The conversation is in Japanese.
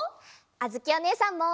あづきおねえさんも！